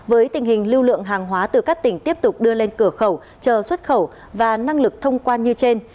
với tình hình lưu lượng hàng hóa từ các tỉnh tiếp tục đưa lên cửa khẩu chờ xuất khẩu và năng lực thông quan như trên